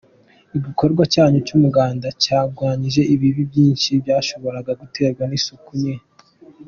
igikorwa cyanyu cy’umuganda cyarwanyije ibibi byinshi byashoboraga guterwa n’isuku nke.